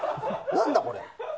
何だこれ？